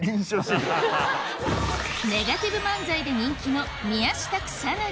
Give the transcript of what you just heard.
ネガティブ漫才で人気の宮下草薙